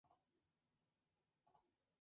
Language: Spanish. El jugador está a cargo de esa misión.